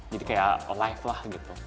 jadi kayak live lah gitu